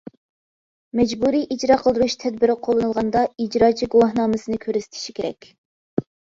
مەجبۇرىي ئىجرا قىلدۇرۇش تەدبىرى قوللىنىلغاندا، ئىجراچى گۇۋاھنامىسىنى كۆرسىتىشى كېرەك.